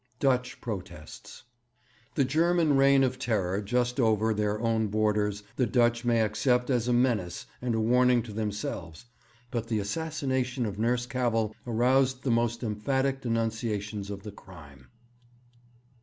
DUTCH PROTESTS The German reign of terror just over their own borders the Dutch may accept as a menace and a warning to themselves; but the assassination of Nurse Cavell aroused the most emphatic denunciations of the crime.